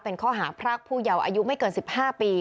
เป็นข้อหาพรากผู้เยาว์อายุไม่เกิน๑๕ปี